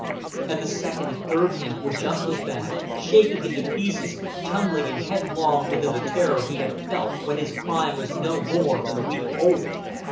'" And the second and third hymns were just as bad, shaking him to pieces, tumbling him headlong into the terror he had felt when his crime was no more than a week old.